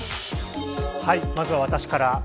まずは私から。